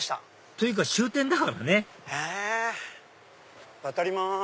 というか終点だからね渡ります。